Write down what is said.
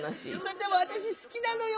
でも私好きなのよ。